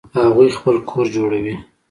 هغوی خپل کور جوړوي